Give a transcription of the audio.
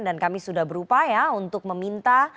dan kami sudah berupaya untuk meminta